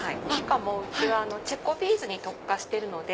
うちはチェコビーズに特化してるので。